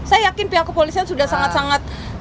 saya yakin pihak kepolisian sudah sangat sangat